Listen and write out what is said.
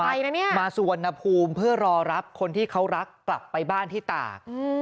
ไปนะเนี่ยมาสุวรรณภูมิเพื่อรอรับคนที่เขารักกลับไปบ้านที่ตาก